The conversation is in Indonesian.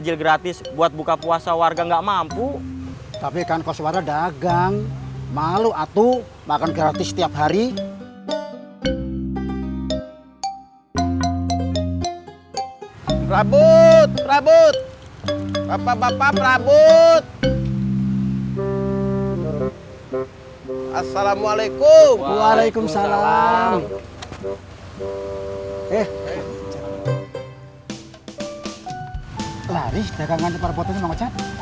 laris dagangan prabotnya mang ocad